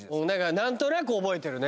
何となく覚えてるね